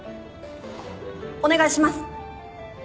お願いします！